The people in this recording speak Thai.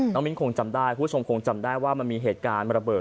มิ้นคงจำได้คุณผู้ชมคงจำได้ว่ามันมีเหตุการณ์ระเบิด